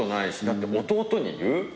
だって弟に言う？